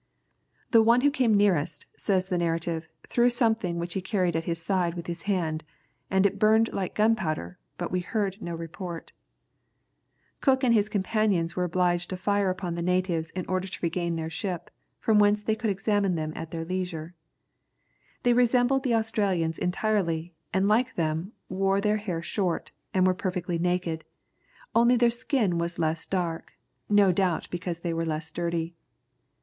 "The one who came nearest," says the narrative, "threw something which he carried at his side, with his hand, and it burned like gunpowder, but we heard no report." [Illustration: Three Indians emerged from the wood.] Cook and his companions were obliged to fire upon the natives in order to regain their ship, from whence they could examine them at their leisure. They resembled the Australians entirely, and like them, wore their hair short, and were perfectly naked only their skin was less dark; no doubt because they were less dirty.